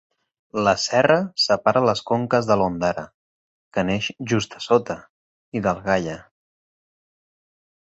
La serra separa les conques de l'Ondara, que neix just a sota, i del Gaia.